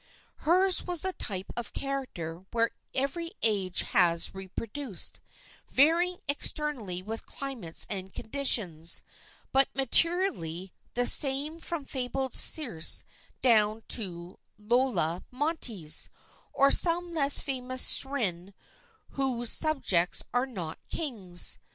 Hers was that type of character which every age has reproduced, varying externally with climates and conditions, but materially the same from fabled Circe down to Lola Montes, or some less famous syren whose subjects are not kings.